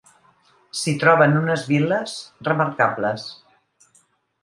S'hi troben unes vil·les remarcables.